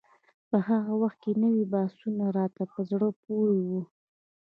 په هغه وخت کې نوي مبحثونه راته په زړه پورې وو.